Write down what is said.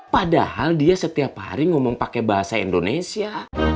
padahal dia setiap hari ngomong pakai bahasa indonesia